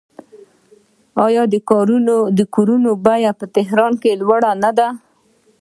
آیا د کورونو بیې په تهران کې لوړې نه دي؟